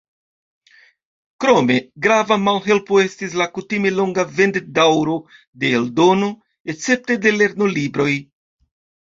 Krome, grava malhelpo estis la kutime longa vend-daŭro de eldono, escepte de lernolibroj.